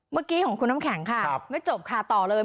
เมื่อกี้ของคุณน้ำแข็งค่ะไม่จบค่ะต่อเลย